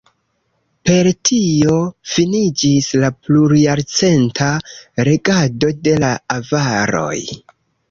Per tio finiĝis la plurjarcenta regado de la avaroj.